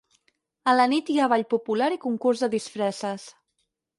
A la nit hi ha ball popular i concurs de disfresses.